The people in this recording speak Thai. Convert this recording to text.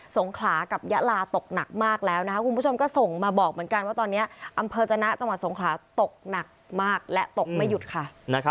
งขลากับยะลาตกหนักมากแล้วนะคะคุณผู้ชมก็ส่งมาบอกเหมือนกันว่าตอนนี้อำเภอจนะจังหวัดสงขลาตกหนักมากและตกไม่หยุดค่ะ